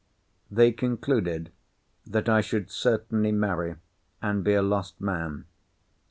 They concluded, that I should certainly marry, and be a lost man.